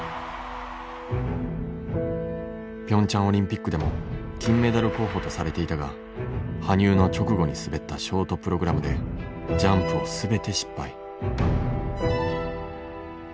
ピョンチャンオリンピックでも金メダル候補とされていたが羽生の直後に滑ったショートプログラムでジャンプを全て失敗。